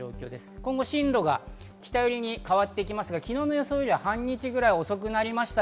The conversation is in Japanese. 今後、進路が北寄りに変わっていきますが、昨日の予想より半日ぐらい遅くなりました。